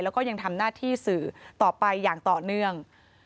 แล้วก็ยังทำหน้าที่สื่อต่อไปอย่างต่อเนื่อง